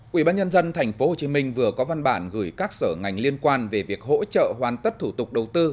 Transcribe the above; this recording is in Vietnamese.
quỹ ban nhân dân tp hcm vừa có văn bản gửi các sở ngành liên quan về việc hỗ trợ hoàn tất thủ tục đầu tư